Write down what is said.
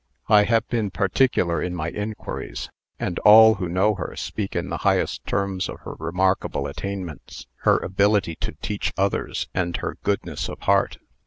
"I have been particular in my inquiries, and all who know her speak in the highest terms of her remarkable attainments, her ability to teach others, and her goodness of heart.